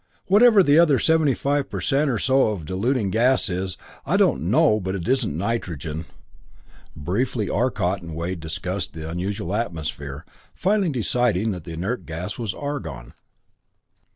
Whatever the other seventy five per cent or so of diluting gas is, I don't know, but it isn't nitrogen." Briefly Arcot and Wade discussed the unusual atmosphere, finally deciding that the inert gas was argon.